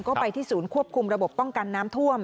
ก็ไปที่ศูนย์ควบคุมระบบป้องกันน้ำท่วม